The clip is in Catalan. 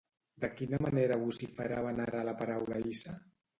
De quina manera vociferaven ara la paraula hissa?